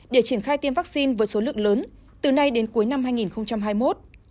để triển khai tiêm vaccine với số lượng lớn từ nay đến cuối năm hai nghìn hai mươi một